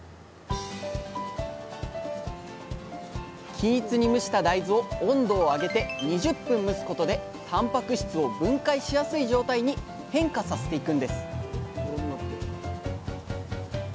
均一に蒸した大豆を温度を上げて２０分蒸すことでたんぱく質を分解しやすい状態に変化させていくんです